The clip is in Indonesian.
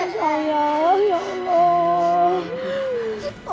eh sayang ya allah